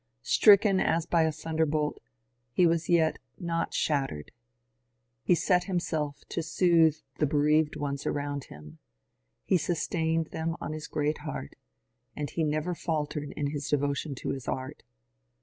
Stricken as by a thunderbolt, he was yet not shattered. He set himself to soothe the bereaved ones around him ; he sustained them on his great heart; and he never faltered in devotion to his art.